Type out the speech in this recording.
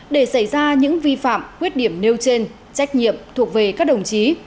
để xảy ra những vi phạm khuyết điểm nêu trên trách nhiệm thuộc về các đồng chí